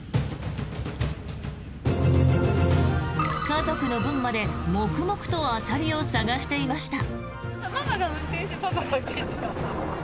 家族の分まで黙々とアサリを探していました。